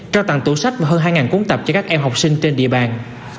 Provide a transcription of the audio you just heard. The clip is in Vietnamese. trao tặng tủ sách và hơn hai cuốn tập cho các em học sinh trên địa bàn